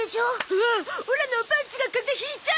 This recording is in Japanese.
おおっオラのおパンツが風邪引いちゃう！